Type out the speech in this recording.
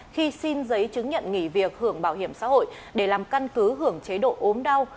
khi xin giấy chứng nhận nghỉ việc hưởng bảo hiểm xã hội để làm căn cứ hưởng chế độ ốm đau